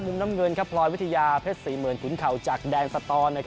มุมน้ำเงินครับพรอยวิทยาเพศศรีหมื่นขุนเข่าจากแดงสตร